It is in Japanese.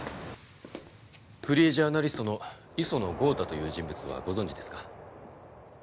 フリージャーナリストの磯野郷太という人物はご存じですか？